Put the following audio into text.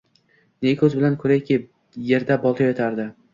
Ne koʻz bilan koʻrayki, yerda bolta yotardi!